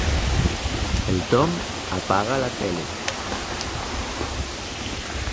El Tom apaga la tele.